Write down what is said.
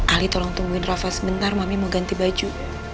ali tolong tungguin rafa sebentar mami mau ganti baju